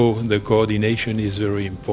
jadi koordinasi sangat penting